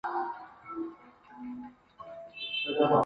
对检察机关自身疫情防控提出进一步具体要求